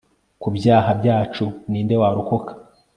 ku byaha byacu ni nde warokoka